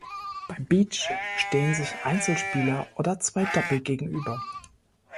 Beim "Beach" stehen sich Einzelspieler oder zwei Doppel gegenüber.